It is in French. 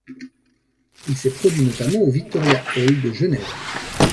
Il s'est produit notamment au Victoria Hall de Genève.